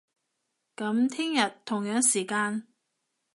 噉聽日，同樣時間